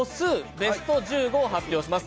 ベスト１５を発表します。